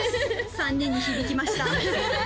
３人に響きました